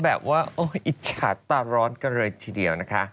แบบว่าอีจรรย์ตาร้อนกันเลยทีเดียว